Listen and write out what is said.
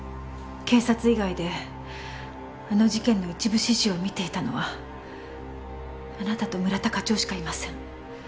警察以外であの事件の一部始終を見ていたのはあなたと村田課長しかいません。